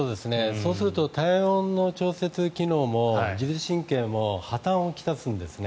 そうすると、体温の調節機能も自律神経も破たんを来すんですね。